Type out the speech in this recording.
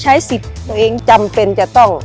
ใช้สิทธิ์ตัวเองจำเป็นจะต้อง